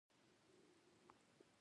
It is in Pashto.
نور خلک پانګونې ته هڅوي.